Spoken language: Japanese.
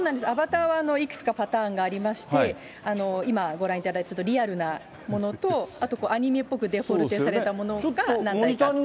アバターはいくつかパターンがありまして、今ご覧いただいた、ちょっとリアルなものと、あとアニメっぽくデフォルメされたものが何台か。